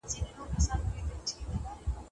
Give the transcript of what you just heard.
هغې وویل چې شنې سابه د پوستکي ساتنه کوي.